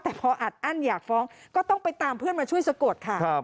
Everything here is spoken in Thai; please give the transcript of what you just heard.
แต่พออัดอั้นอยากฟ้องก็ต้องไปตามเพื่อนมาช่วยสะกดค่ะ